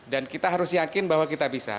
dan kita harus yakin bahwa kita bisa